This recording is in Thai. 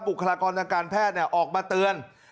คลากรทางการแพทย์ออกมาเตือน